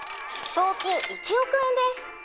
「賞金１億円です」